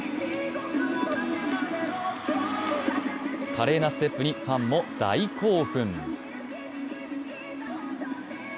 華麗なステップにファンも大興奮。